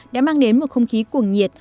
đã mang đến một không khí cuồng nhiệt